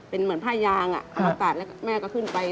เป็นเหมือนผ้ายางเอาตัดแล้วแม่ก็ขึ้นไป